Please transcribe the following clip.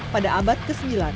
pada abad ke sembilan